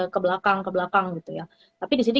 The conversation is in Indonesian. kebelakang kebelakang gitu ya tapi disini